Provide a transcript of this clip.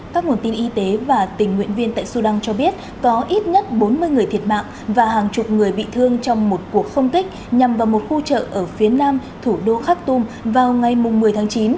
các nguồn tin y tế và tình nguyện viên tại sudan cho biết có ít nhất bốn mươi người thiệt mạng và hàng chục người bị thương trong một cuộc không kích nhằm vào một khu chợ ở phía nam thủ đô khak tum vào ngày một mươi tháng chín